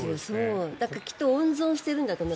きっと温存してるんだと思う。